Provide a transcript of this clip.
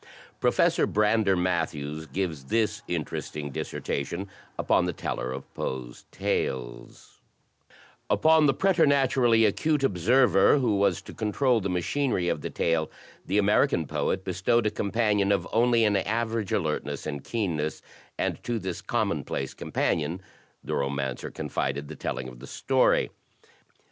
Professor Brander Matthews gives this interesting dis sertation upon the Teller of Poe's tales: "Upon the preternaturally acute observer who was to control the machinery of the tale, the American poet be stowed a companion of only an average alertness and keen ness; and to this commonplace companion the romancer I I02 THE TECHNIQUE OF THE MYSTERY STORY confided the telling of the story.